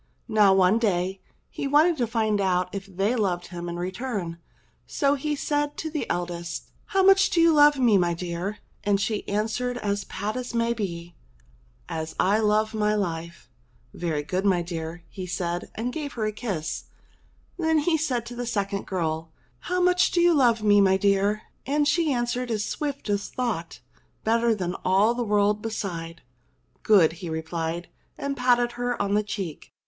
Now one day he wanted to find out if they loved him in return, so he said to the eldest, " How much do you love me, my dear ?" And she answered as pat as may be, "As I love my life." Very good, my dear," said he, and gave her a kiss. Then he said to the second girl, " How much do you love me, my dear.?" And she answered as swift as thought, "Better than all the world beside." "Good !" he replied, and patted her on the cheek.